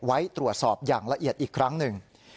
ไว้ตรวจสอบอย่างละเอียดอีกครั้งหนึ่ง